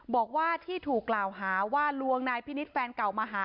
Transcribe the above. บอกว่าที่ถูกกล่าวหาว่าลวงนายพินิษฐ์แฟนเก่ามาหา